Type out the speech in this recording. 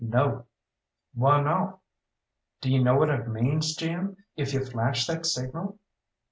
"No." "Why not?" "Do you know what it means, Jim, if you flash that signal?"